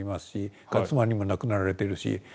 それから妻にも亡くなられているし。